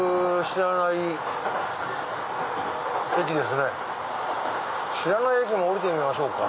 知らない駅も降りてみましょうか。